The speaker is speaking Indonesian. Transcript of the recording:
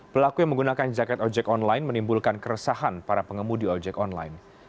pelaku yang menggunakan jaket ojek online menimbulkan keresahan para pengemudi ojek online